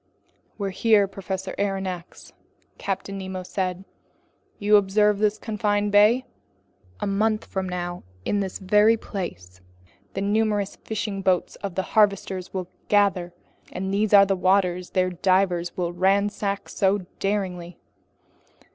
"Here we are, Professor Aronnax," Captain Nemo then said. "You observe this confined bay? A month from now in this very place, the numerous fishing boats of the harvesters will gather, and these are the waters their divers will ransack so daringly.